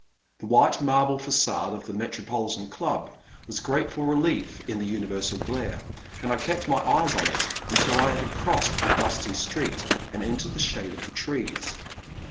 The white marble fagade of the Metropolitan Club was a grateful relief in the universal glare, and I kept my eyes on it until I had cros^d the dusty street and entered the shade of the trees.